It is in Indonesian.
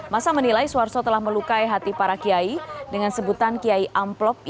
masa menilai suharto telah melukai hati para kiai dengan sebutan kiai amplop